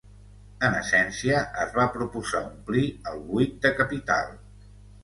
En essència, es va proposar omplir el "buit de capital".